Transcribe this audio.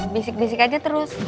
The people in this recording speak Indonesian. bisik bisik aja terus